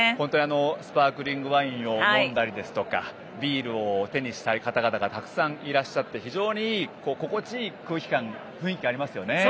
スパークリングワインを飲んだりですとかビールを手にした方々がたくさんいらっしゃって非常に心地いい雰囲気がありますよね。